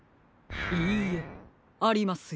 いいえありますよ。